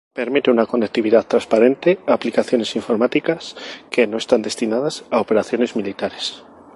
Permite una conectividad transparente aplicaciones informáticas que no están destinadas a operaciones militares.